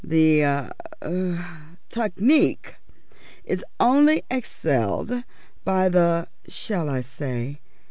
The er technique is only excelled by the shall I say?